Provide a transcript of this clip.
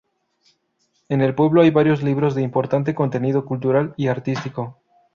En el pueblo hay varios libros de importante contenido cultural y artístico.